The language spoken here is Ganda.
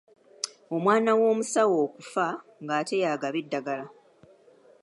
Omwana w’omusawo okufa ng’ate y’agaba eddagala.